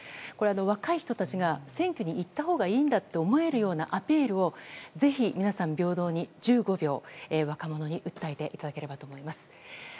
若い人たちが選挙に行ったほうがいいんだと思えるようなアピールをぜひ皆さんに平等に１５秒若者に訴えていただければと思います。